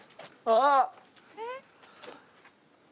あっ！